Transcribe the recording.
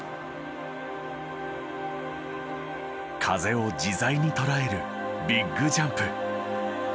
風を自在にとらえるビッグジャンプ。